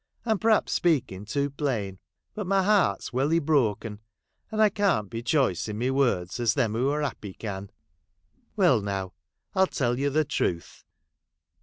I'm perhaps speaking too plain, but my heart's welly broken, and I can't be choice in my words as them who are happy can. Well now ! I '11 tell you the truth.